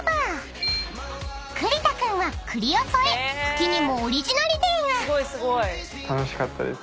［栗田君は栗を添え茎にもオリジナリティーが］楽しかったです。